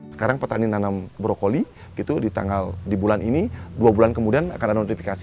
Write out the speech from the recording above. sekarang petani nanam brokoli di tanggal di bulan ini dua bulan kemudian akan ada notifikasi